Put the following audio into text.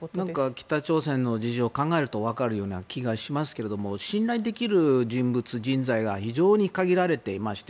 北朝鮮の事情を考えると分かる気がしますが信頼できる人物、人材が非常に限られていまして。